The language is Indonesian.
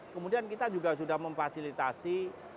kemudian kita juga sudah memfasilitasi